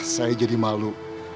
saya jadi malu